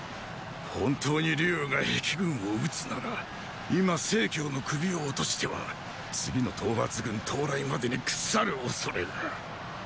本当に龍羽が壁軍を討つなら今成の首を落としては次の討伐軍到来までに腐る恐れが。